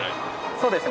そうですね。